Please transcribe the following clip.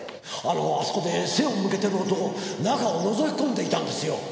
あそこで背を向けてる男中をのぞき込んでいたんですよ。